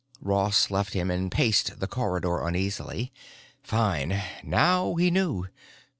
Ross left him and paced the corridor uneasily. Fine. Now he knew.